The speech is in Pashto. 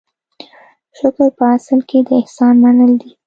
شکر په اصل کې د احسان منل دي.